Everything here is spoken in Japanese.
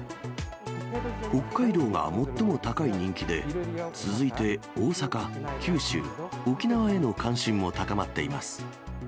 北海道が最も高い人気で、続いて大阪、九州、沖縄への関心も高まっています。